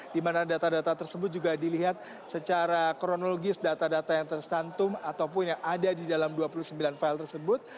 di mana data data tersebut juga dilihat secara kronologis data data yang tersantum ataupun yang ada di dalam dua puluh sembilan file tersebut